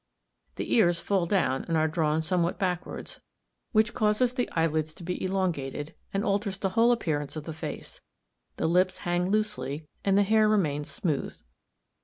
The ears fall down and are drawn somewhat backwards, which causes the eyelids to be elongated, and alters the whole appearance of the face. The lips hang loosely, and the hair remains smooth.